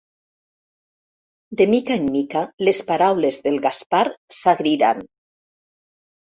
De mica en mica les paraules del Gaspar s'agriran.